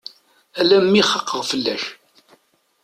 Alammi xaqeɣ fell-ak.